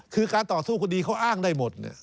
คือการต่อสู้คดีเขาอ้างได้หมด